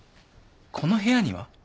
この部屋には？